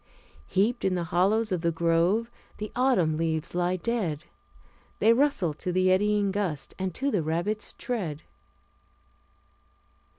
Heaped in the hollows of the grove, the autumn leaves lie dead; They rustle to the eddying gust, and to the rabbit's tread."